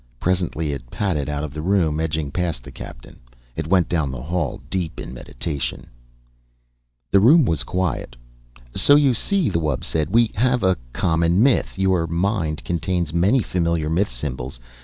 Presently it padded out of the room, edging past the Captain. It went down the hall, deep in meditation. The room was quiet. "So you see," the wub said, "we have a common myth. Your mind contains many familiar myth symbols.